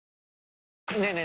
ねえねえ